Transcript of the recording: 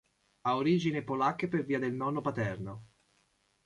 Ha origini polacche per via del nonno paterno.